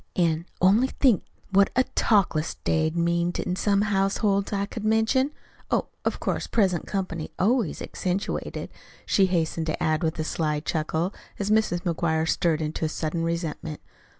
An' only think what a talkless day'd mean in some households I could mention. Oh, of course, present comp'ny always accentuated," she hastened to add with a sly chuckle, as Mrs. McGuire stirred into sudden resentment.